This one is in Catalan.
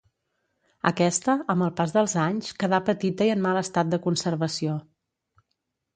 Aquesta, amb el pas dels anys, quedà petita i en mal estat de conservació.